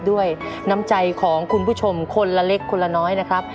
ด้วยน้ำใจของคุณผู้ชมคนละเล็กคนละน้อยนะครับ